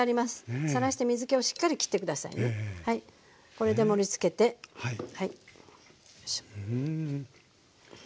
これで盛りつけてはいよいしょ。